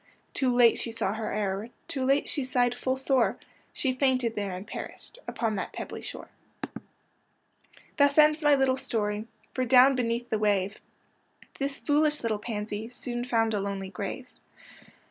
Too late she saw her error. Too late she sighed full sore; She fainted there, and perished Upon that pebbly shore. 84 PANSY AISTD FORGET ME NOT Thus ends my little story; For, down beneath the wave, This foolish little pansy Soon found a lonely grave.